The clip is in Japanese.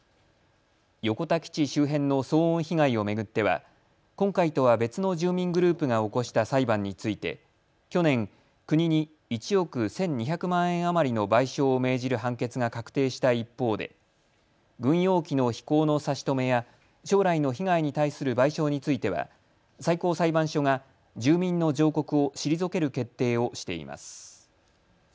横田基地周辺の騒音被害を巡っては今回とは別の住民グループが起こした裁判について去年、国に１億１２００万円余りの賠償を命じる判決が確定した一方で軍用機の飛行の差し止めや将来の被害に対する賠償については最高裁判所が住民の上告を退ける決定をしています。